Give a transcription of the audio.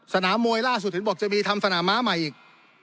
สนามมวยล่าสุดเห็นบอกจะมีทำสนามม้าใหม่อีก